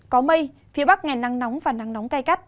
có mây phía bắc ngày nắng nóng và nắng nóng cay cắt